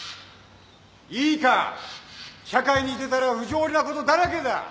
いいか社会に出たら不条理なことだらけだ。